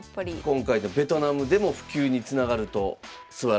今回のベトナムでも普及につながるとすばらしいと思います。